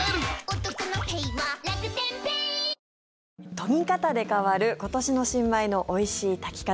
研ぎ方で変わる今年の新米のおいしい炊き方。